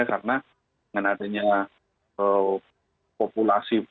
karena dengan adanya populasi